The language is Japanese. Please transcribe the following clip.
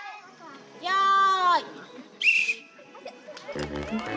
よい。